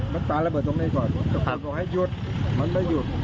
มันปลาระเบิดตรงนี้ก่อนบอกให้หยุดมันไม่หยุด